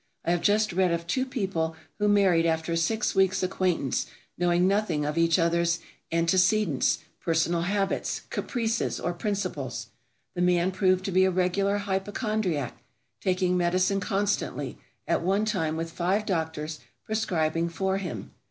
I have just read of two people who married after a six week's acquaintance, knowing nothing of each other's antecedents, personal habits, caprices or principles. The man proved to be a regular hypochondriac, taking medicine constantly, at one time with five doctors prescribing for him.